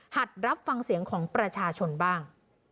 หัดรับฟังเสียงของประชาชนบ้าง